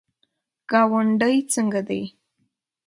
ګاونډی څنګه دی؟